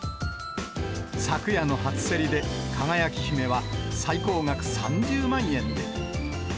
昨夜の初競りで、輝姫は最高額３０万円で。